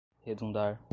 redundar